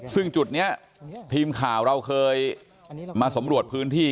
ซึ่งจุดนี้ทีมข่าวเราเคยมาสำรวจพื้นที่